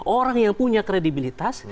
orang yang punya kredibilitas